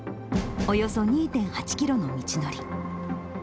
およそ２．８キロの道のり。